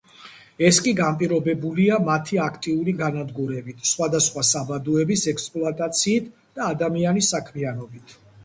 ეს კი განპირობებულია მათი აქტიური განადგურებით, სხვადასხვა საბადოების ექსპლუატაციით და ადამიანის საქმიანობით.